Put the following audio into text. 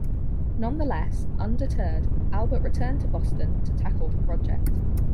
Nonetheless, undeterred, Albert returned to Boston to tackle the project.